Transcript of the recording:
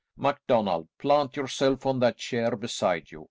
MacDonald, plant yourself on that chair beside you.